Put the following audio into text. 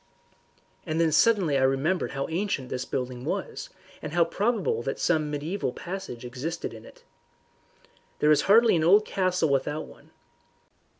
And then suddenly I remembered how ancient this building was, and how probable that some mediaeval passage existed in it. There is hardly an old castle without one.